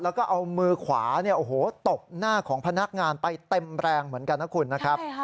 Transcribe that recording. แล้วก็เอามือขวาตบหน้าของพนักงานไปเต็มแรงเหมือนกันนะคุณนะครับ